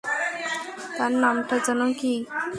তার নামটা যেন কী?